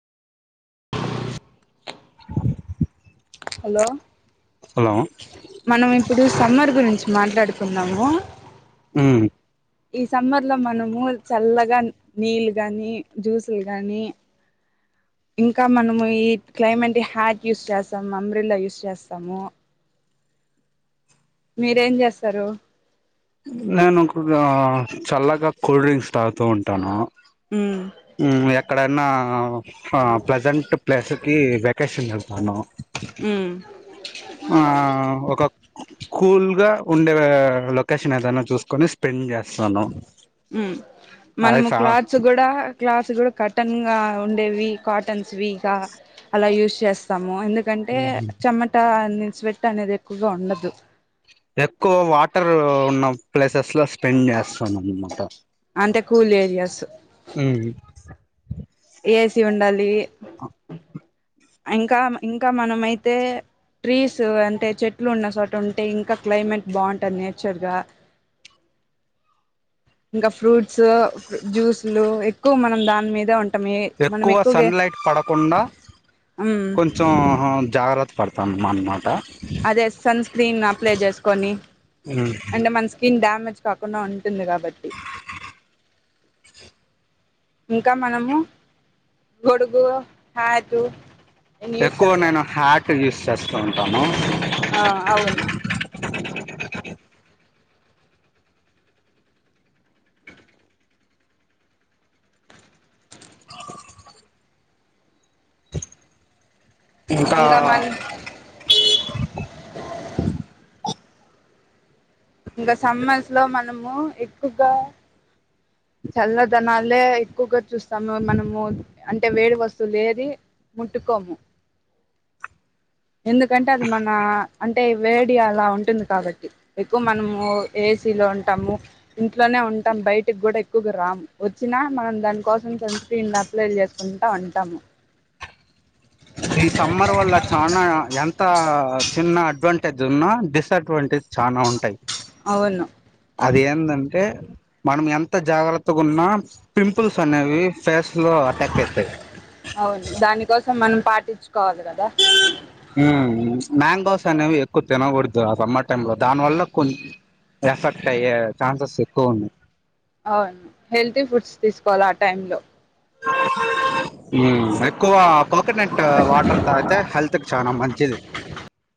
hello hello మనం ఇప్పుడు summer గురించి మాట్లాడుకున్నాము ఊ ఈ సమ్మర్ లో మనము చల్లగా నీళ్లు గాని జ్యూసులు గాని ఇంకా మనము ఈ క్లైమేట్ హ్యాట్ యూస్ చేస్తాము అంబ్రిలా యూస్ చేస్తాము మీరేం చేస్తారు నేను ఒక చల్లగా కూల్ డ్రింక్స్ తాగుతూ ఉంటాను ఉమ్ హ్మ్ ఎక్కడన్న అ ప్లీజంట్ ప్లస్ కి వె [unintelligible] పోను ఉమ్ ఆ ఒక కూల్గా ఉండే లొకేషన్ ఏదైనా చూసుకని స్పెండ్ చేస్ హ్మ్ అది మనము ఫ క్లోత్స్ కూడా క్లోత్ కూడా కటన్ గా ఉండేవి కాటన్స్ విగా అలా యూస్ చేస్తాం ఎందుకంటే చెమట అని స్వెట్ అనేది ఎక్కువగా ఉండదు ఎక్కువ వాటర్ ఉన్న ప్లేసెస్ లో స్పెండ్ చేస్తాం అన్నమాట అంటే కూల్ ఏరియాస్ ఏసీ ఉండాలి ఇంకా ఇంకా మనమయితే ట్రీస్ అంటే చెట్లు ఉన్న చోట ఉంటే ఇంకా క్లైమేట్ బాగుంటుంది నేచర్గా ఇంకా ఫ్రూట్ ఫ్రూప్ట్స్ జ్యూస్లు ఎ మనం దాని మీద ఉం ఎక్కువ సన్లైట్ పడకుండా మ్మ్ కొంచెం జాగ్రత పడ్తం మనమాట అదే సన్ స్క్రీన్ అప్లై చేసుకొని అంటే మన స్కిన్ డామేజ్ కాకుండా ఉంటుంది కాబట్టి ఇంకా మనము గొడుగు హ్యాటు ఎక్కువ నేను హ్యాట్ యూ చేస్తూ ఉంటాము ఆ అవును ఇంకా ఇంక మన్ ఇంకా సమ్మర్స్ లో మన్ మనము ఎక్కువగా చల్లదనలే ఎక్కువగా చూస్ సము మనము అంటే వేడి వస్తువులు ఎది ముట్టుకోము ఎందుకంటే అది మన అంటే వేడి అలా ఉంటుంది కాబట్టి ఎక్కువ మనము ఏసీలో ఉంటాము ఇంట్లోనే ఉంటాము బయటికి కూడా ఎక్కువగా రాము వచ్చినా మనం దానికోసం సన్ స్క్రీన్లో అప్లై చేసుకుంటా ఉంటాము ఈ సమ్మర్ వల్ల చనా ఎంత చిన్న అడ్వాంటేజ్ ఉన్నా డిసఅడ్వాంటేజ్ చాలా ఉంటాయి అవును అది ఏందంటే మనం ఎంత జాగ్రత్తగా ఉన్నా పింపుల్స్ అనేవి ఫేస్ లో అటాక్ అయితాయి అవును దానికోసం మనం పాటించుకోవాలి కదా దాని ఏమో అనేవి ఎక్కువ తినకూడదు ఆ సమ్మర్ టైమ్ లో దాని వల్ల కొన్ని ఎఫెక్ట్ అయ్యే ఛాన్సెస్ ఎక్కువ ఉన్నాయి అవును హెల్తీ ఫుడ్స్ తీసుకోవాలి ఆ టైం లో ఉమ్ ఎక్కువ కోకోనట్ వాటర్ తాగితే హెల్త్ కి చాలా మంచిది